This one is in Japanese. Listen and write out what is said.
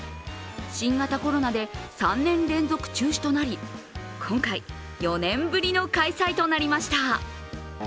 新型コロナで３年連続中止となり今回４年ぶりの開催となりました。